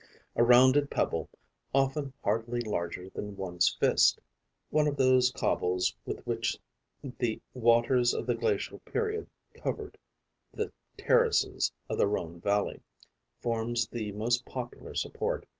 A rounded pebble, often hardly larger than one's fist, one of those cobbles with which the waters of the glacial period covered the terraces of the Rhone Valley, forms the most popular support.